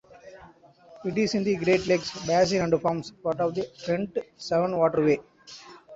It is in the Great Lakes Basin and forms part of the Trent-Severn Waterway.